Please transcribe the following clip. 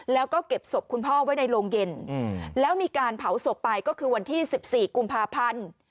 แล้วก็เก็บศพคุณพ่อไว้ในโรงเย็นแล้วมีการเผาศพไปก็คือวันที่๑๔กุมภาพันธ์